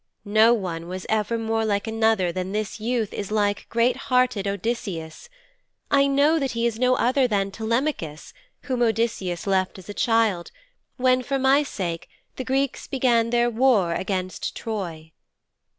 No one was ever more like another than this youth is like great hearted Odysseus. I know that he is no other than Telemachus, whom Odysseus left as a child, when, for my sake, the Greeks began their war against Troy.'